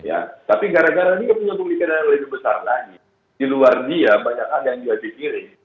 ya tapi gara gara dia punya pemilikan yang lebih besar lagi di luar dia banyak ada yang dia dikirim